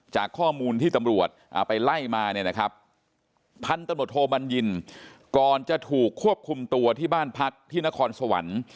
จากข้อมูลที่ตำรวจไปไล่มาเนี่ยนะครับพันธุ์ตำรวจโทบัญญินก่อนจะถูกควบคุมตัวที่บ้านพักที่นครสวรรค์